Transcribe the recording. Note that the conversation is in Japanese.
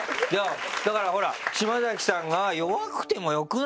だからほら島崎さんが「弱くてもよくないですか？」